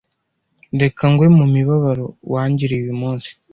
Reka ngwe mu mibabaro wangiriye uyu munsi "